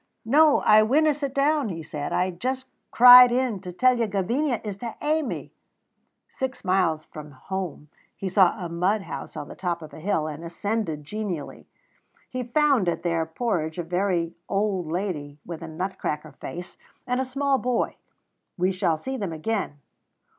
"No, I winna sit down," he said; "I just cried in to tell you Gavinia is to hae me." Six miles from home he saw a mud house on the top of a hill, and ascended genially. He found at their porridge a very old lady with a nut cracker face, and a small boy. We shall see them again.